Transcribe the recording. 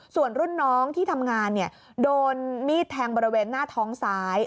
ส่วนรุ่นน้องที่ทำงานโดนมีดแทงบริเวณหน้าท้องซ้าย